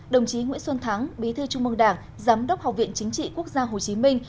đồng chí nguyễn xuân thắng bí thư trung mương đảng giám đốc học viện chính trị quốc gia hồ chí minh